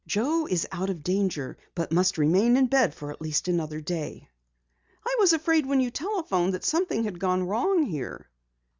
Joe is out of danger but must remain in bed for at least another day." "I was afraid when you telephoned that something had gone wrong here."